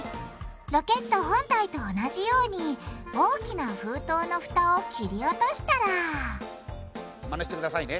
ロケット本体と同じように大きな封筒のフタを切り落としたらまねしてくださいね。